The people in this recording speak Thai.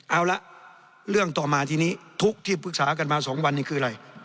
เอาละเรื่องต่อมาทีนี้ทุกข์ที่ปรึกษากันมา๒วันนี้คืออะไร